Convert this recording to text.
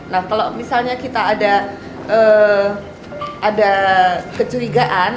nah kalau misalnya kita ada kecurigaan